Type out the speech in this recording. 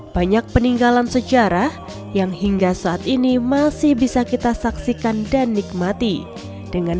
banyak peninggalan sejarah yang hingga saat ini masih bisa kita saksikan dan nikmati dengan